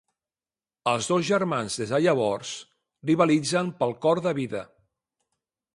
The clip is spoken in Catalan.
Els dos germans des de llavors rivalitzen pel cor de Vida.